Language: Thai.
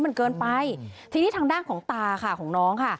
มันเกินไปทีนี้ทางด้านของตาค่ะของน้องค่ะ